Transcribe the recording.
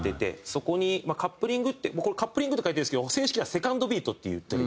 そこにカップリングって「カップリング」って書いてるんですけど正式には「２ｎｄビート」って言ったりとか。